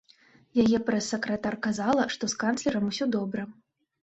Яе прэс-сакратар казала, што з канцлерам усё добра.